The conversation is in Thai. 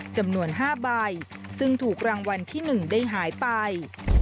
จำนวน๕ใบซึ่งถูกรางวัลที่๑ได้หายไป